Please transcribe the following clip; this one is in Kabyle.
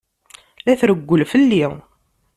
La trewwel fell-i.